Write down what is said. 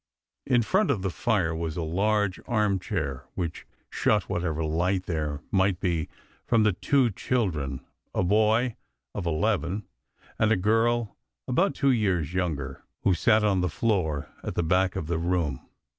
In front of the fire was a large arm chair, which shut whatever light there might be from the two children, a boy of eleven and a girl about two years younger, who sat on the floor at the back of the room.